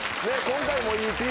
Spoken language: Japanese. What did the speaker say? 今回も。